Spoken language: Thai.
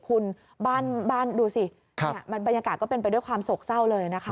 คุณบ้านดูสิบรรยากาศก็เป็นไปด้วยความโศกเศร้าเลยนะคะ